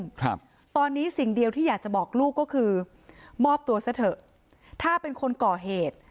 ครับตอนนี้สิ่งเดียวที่อยากจะบอกลูกก็คือมอบตัวซะเถอะถ้าเป็นคนก่อเหตุ